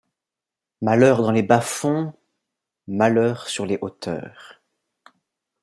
Malheur dans les bas-fonds, malheur sur les hauteurs